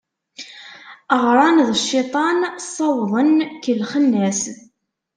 Ɣran d cciṭan, sawḍen kellxen-as.